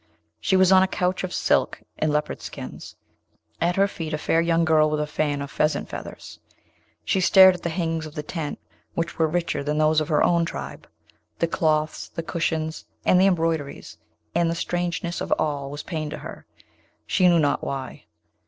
She was on a couch of silk and leopard skins; at her feet a fair young girl with a fan of pheasant feathers. She stared at the hangings of the tent, which were richer than those of her own tribe; the cloths, and the cushions, and the embroideries; and the strangeness of all was pain to her, she knew not why.